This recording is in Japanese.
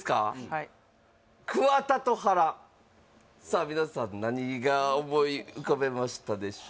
はいさあ皆さん何が思い浮かべましたでしょう？